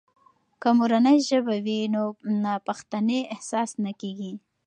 که مورنۍ ژبه وي، نو ناپښتنې احساس نه کیږي.